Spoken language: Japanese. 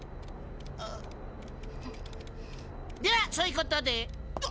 ではそういうことで。